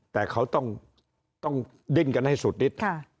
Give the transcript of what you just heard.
แต่เขาต้องดิ้นกันให้สุดนิด